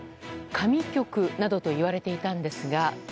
神曲などと言われていたんですが。